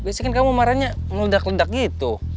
biasanya kan kamu marahnya meledak ledak gitu